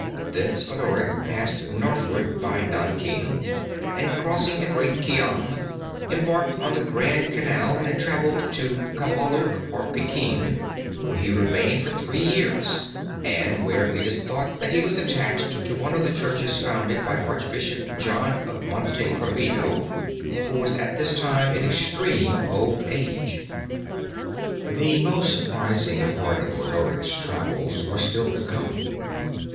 Thence Odoric passed northward by Nanking, and, crossing the great Kiang, embarked on the Grand Canal and traveled to Cambaluc or Pekin, where he remained for three years and where it is thought that he was attached to one of the churches founded by Archbishop John of Monte Corvino, who was at this time in extreme old age. The most surprising part of Odoric's travels were still to come.